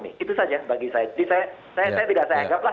itu saja bagi saya